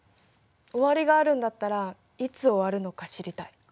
終わりがあるんだったらいつ終わるのか知りたい。